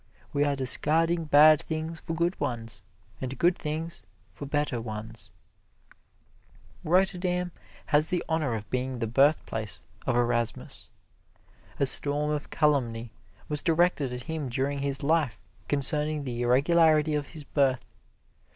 We are discarding bad things for good ones, and good things for better ones. Rotterdam has the honor of being the birthplace of Erasmus. A storm of calumny was directed at him during his life concerning the irregularity of his birth.